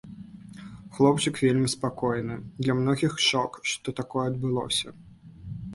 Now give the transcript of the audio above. Хлопчык вельмі спакойны, для многіх шок, што такое адбылося.